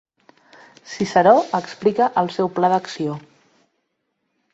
Ciceró explica el seu pla d'acció.